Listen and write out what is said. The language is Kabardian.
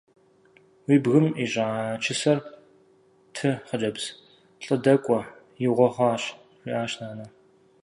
«Уи бгым ищӀа чысэр ты, хъыджэбз. ЛӀы дэкӀуэ. Игъуэ хъуащ!», – жиӀащ нанэ.